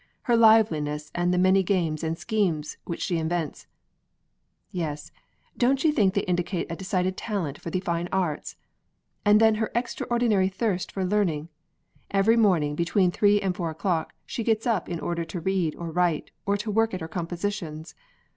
Her liveliness and the many games and schemes which she invents " "Yes, don't you think they indicate a decided talent for the fine arts? And then her extraordinary thirst for learning: every morning, between three and four o'clock, she gets up in order to read or write, or to work at her compositions.